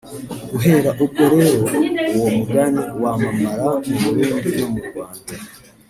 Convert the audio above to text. Guhera ubwo rero uwo mugani wamamara mu Burundi no mu Rwanda